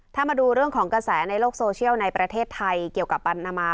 ถ้ามาดูเรื่องของกระแสในโลกโซเชียลในประเทศไทยเกี่ยวกับปันนามา